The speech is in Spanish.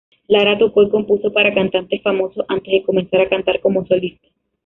Lara tocó y compuso para cantantes famosos antes de comenzar a cantar como solista.